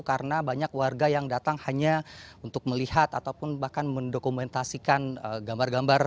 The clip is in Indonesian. karena banyak warga yang datang hanya untuk melihat ataupun bahkan mendokumentasikan gambar gambar